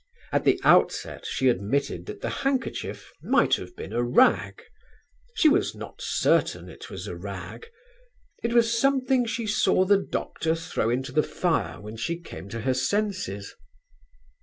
At the outset she admitted that the handkerchief might have been a rag. She was not certain it was a rag. It was something she saw the doctor throw into the fire when she came to her senses.